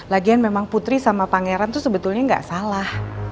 lagian memang putri sama pangeran tuh sebetulnya nggak salah